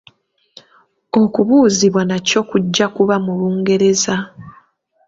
Okubuuzibwa nakwo kujja kuba mu Lungereza.